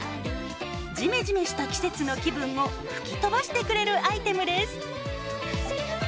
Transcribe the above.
ジメジメした季節の気分を吹き飛ばしてくれるアイテムです。